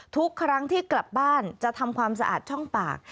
ทุกครั้งที่กลับบ้านจะทำความสะอาดช่องปาก